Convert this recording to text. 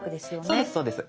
そうですそうです。